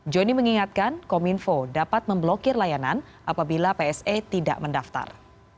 joni mengingatkan kominfo dapat memblokir layanan apabila pse tidak mendaftar